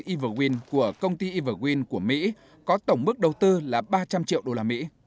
evergreen của công ty evergreen của mỹ có tổng mức đầu tư là ba trăm linh triệu usd